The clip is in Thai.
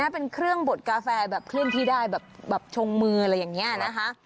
เป็นเครื่องบดกาแฟแบบเคลื่อนที่ได้แบบชงมืออะไรอย่างนี้นะคะ